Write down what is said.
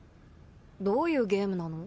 どういうゲームなの？